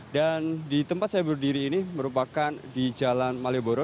dan di tempat saya berdiri ini merupakan di jalan malioboro